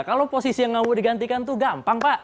kalau posisi yang mau digantikan tuh gampang pak